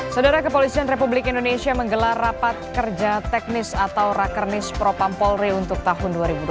saudara kepolisian republik indonesia menggelar rapat kerja teknis atau rakernis propampolri untuk tahun dua ribu dua puluh